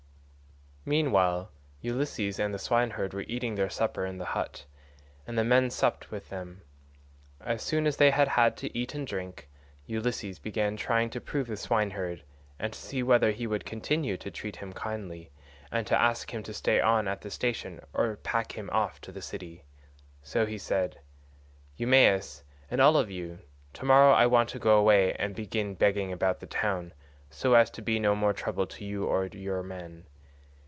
Meanwhile Ulysses and the swineherd were eating their supper in the hut, and the men supped with them. As soon as they had had to eat and drink, Ulysses began trying to prove the swineherd and see whether he would continue to treat him kindly, and ask him to stay on at the station or pack him off to the city; so he said: "Eumaeus, and all of you, to morrow I want to go away and begin begging about the town, so as to be no more trouble to you or to your men.